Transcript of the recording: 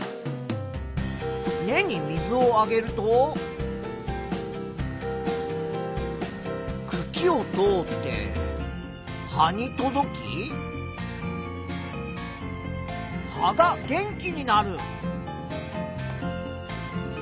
根に水をあげるとくきを通って葉に届き葉が元気になる。